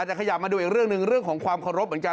แต่ขยับมาดูอีกเรื่องหนึ่งเรื่องของความเคารพเหมือนกัน